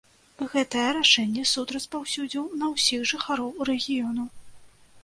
Гэтае рашэнне суд распаўсюдзіў на ўсіх жыхароў рэгіёну.